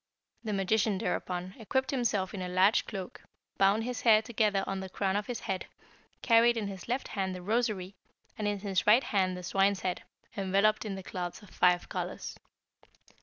The magician, thereupon, equipped himself in a large cloak, bound his hair together on the crown of his head, carried in his left hand the rosary, and in his right the swine's head, enveloped in the cloths of five colours.